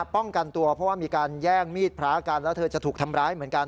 ป้องกันตัวเพราะว่ามีการแย่งมีดพระกันแล้วเธอจะถูกทำร้ายเหมือนกัน